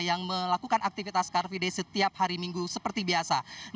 yang melakukan aktivitas car free day setiap hari minggu seperti biasa